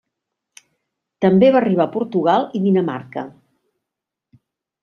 També va arribar a Portugal i Dinamarca.